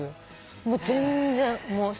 もう全然。